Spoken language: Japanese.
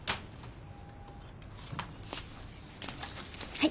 はい。